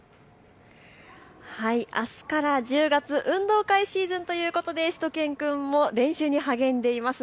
あすから１０月、運動会シーズンということでしゅと犬くんも練習に励んでいます。